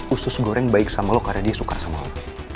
usus goreng baik sama lo karena dia suka sama lote